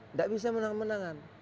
tidak bisa menang menangan